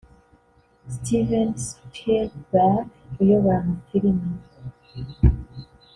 Steven Spielberg (uyobora amafilimi)